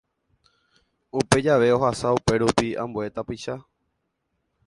Upe jave ohasa upérupi ambue tapicha